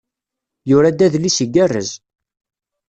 Yura-d adlis igerrez.